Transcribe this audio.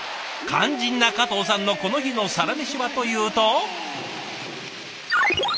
肝心な加藤さんのこの日のサラメシはというと。